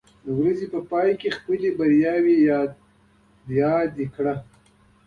د ورځې په پای کې خپل بریاوې یاداښت کړه.